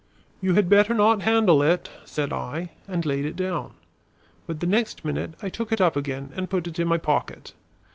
"You had better not handle it," said I, and laid it down. But the next minute I took it up again and put it in my pocket.